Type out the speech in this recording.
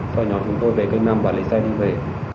sau nhỏ chúng tôi về cây nằm và lấy xe đi về